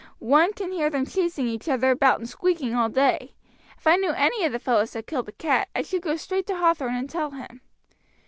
One can hear them chasing each other about and squeaking all day. If I knew any of the fellows had killed the cat I should go straight to Hathorn and tell him.